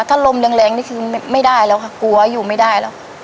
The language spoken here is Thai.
ถ้าลมแรงนี่คือไม่ได้แล้วค่ะกลัวอยู่ไม่ได้แล้ว